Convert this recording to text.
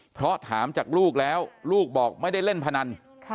เพราะถามจากลูกแล้วลูกบอกไม่ได้เล่นพนัน